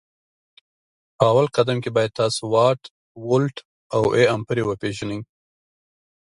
په اول قدم کي باید تاسو واټ ولټ او A امپري وپيژني